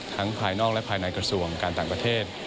ภายนอกและภายในกระทรวงการต่างประเทศ